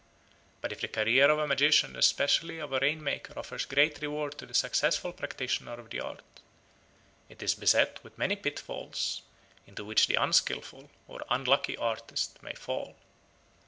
But if the career of a magician and especially of a rain maker offers great rewards to the successful practitioner of the art, it is beset with many pitfalls into which the unskilful or unlucky artist may fall.